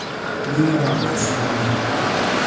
linja wan li sama ni.